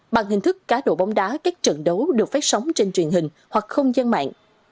bằng hình thức cá độ bóng đá các trận đấu được phát sóng trên truyền hình hoặc không gian mạng